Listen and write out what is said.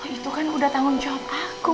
itu kan udah tanggung jawab aku